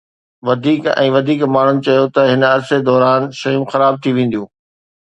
وڌيڪ ۽ وڌيڪ ماڻهن چيو ته هن عرصي دوران شيون خراب ٿي وينديون